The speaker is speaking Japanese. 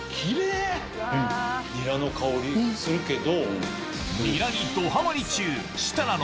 ニラの香りするけど。